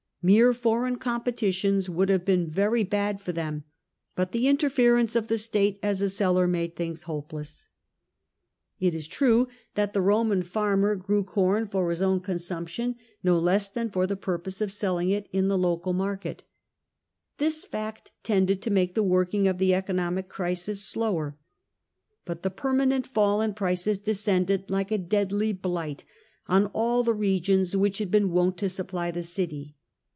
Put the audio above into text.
Mere foreign competitions would have been very bad for them, but the interference of the state as a seller made things hopeless. It is true that the THE FATE OF CENTRAL ITALY 21 Eomaii farmer grew corn for his own consumption no less than for the purpose of selling it in the local market* This fact tended to make the working of the economic crisis slower. But the permanent fall in prices descended like a deadly blight on all the regions which had been wont to supply the city.